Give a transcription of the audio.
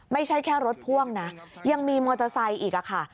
ไม่ใช่แค่รถพ่วงนะยังมีมอเตอร์ไซค์อีกค่ะ